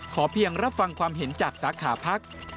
เพียงรับฟังความเห็นจากสาขาพัก